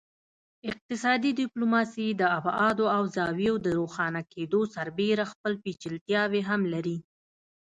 اقتصادي ډیپلوماسي د ابعادو او زاویو د روښانه کیدو سربیره خپل پیچلتیاوې هم لري